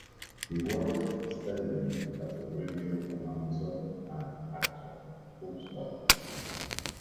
He worked steadily as a radio announcer and actor.